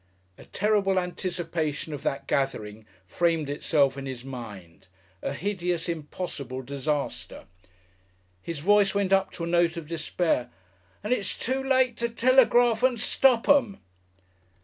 A terrible anticipation of that gathering framed itself in his mind a hideous, impossible disaster. His voice went up to a note of despair, "And it's too late to telegrarf and stop 'em!"